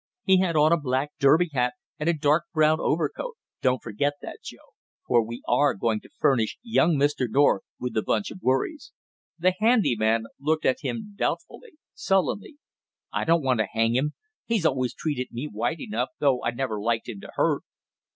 He had on a black derby hat and a dark brown overcoat; don't forget that, Joe, for we are going to furnish young Mr. North with a bunch of worries." The handy man looked at him doubtfully, sullenly. "I don't want to hang him, he's always treated me white enough, though I never liked him to hurt."